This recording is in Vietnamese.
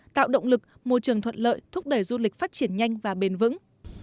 tạo động lực môi trường thuận lợi thúc đẩy du lịch phát triển nhanh và bền vững